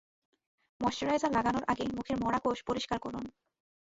Moisturiser লাগানোর আগে মুখের মরা কোষ পরিষ্কার করুন।